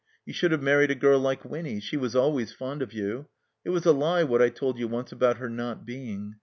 You should have married a girl like Winny. She was always fond of you. It was a lie what I told you once about her not being.